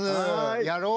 やろう！